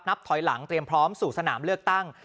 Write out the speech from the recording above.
ถอยหลังเตรียมพร้อมสู่สนามเลือกตั้ง